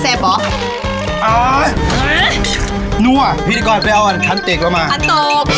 เซฟเหรออ่านั่วพิธีกรไปเอาอันขั้นเต็กละมาขั้นตก